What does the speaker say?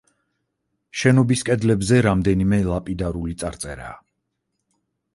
შენობის კედლებზე რამდენიმე ლაპიდარული წარწერაა.